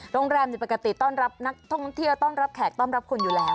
โรงแรมปกติต้อนรับนักท่องเที่ยวต้อนรับแขกต้อนรับคุณอยู่แล้ว